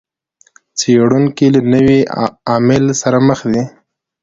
څېړونکي له نوي عامل سره مخ دي.